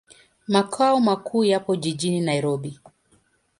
Makao makuu yapo jijini Nairobi.